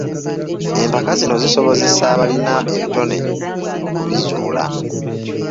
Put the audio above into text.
Empaka zino zisobozesa abalina ebitone okubizuula.